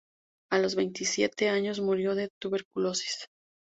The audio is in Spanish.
A los veintisiete años murió de tuberculosis.